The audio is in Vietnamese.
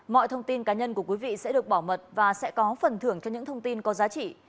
mọi thông tin cá nhân của quý vị sẽ được bảo mật và sẽ có phần thưởng cho những thông tin có giá trị